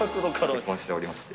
結婚しておりまして。